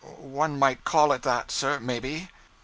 'One might call it that, sir, maybe.'